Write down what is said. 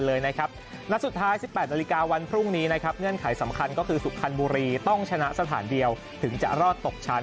และสุดท้าย๑๘นาฬิกาวันพรุ่งนี้เนื่องข่ายสำคัญก็คือสุภัณฑ์บุรีต้องชนะสถานเดียวถึงจะรอดตกชั้น